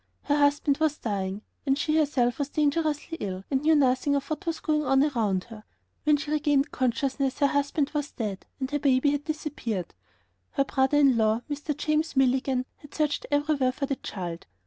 Her husband was dying, and she herself was dangerously ill and knew nothing of what was going on around her. When she regained consciousness her husband was dead and her baby had disappeared. Her brother in law, Mr. James Milligan, had searched everywhere for the child.